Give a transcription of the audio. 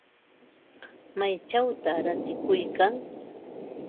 ¿Maychawta ratikuykan?